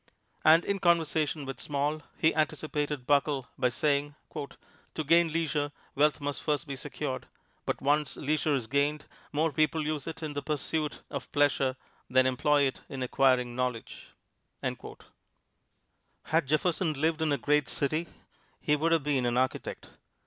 And in conversation with Small, he anticipated Buckle by saying, "To gain leisure, wealth must first be secured; but once leisure is gained, more people use it in the pursuit of pleasure than employ it in acquiring knowledge." Had Jefferson lived in a great city he would have been an architect.